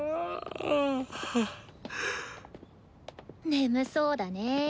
眠そうだね。